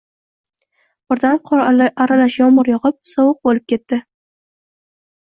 Birdan qor aralash yomg’ir yog’ib, sovuq bo’lib ketdi.